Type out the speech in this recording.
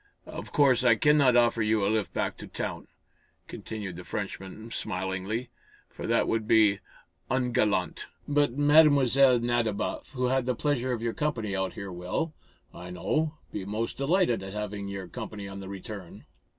"Of course I cannot offer you a lift back to town," continued the Frenchman, smilingly, "for that would be ungallant. But Mlle. Nadiboff, who had the pleasure of your company out here will, I know, be most delighted at having your company on the return."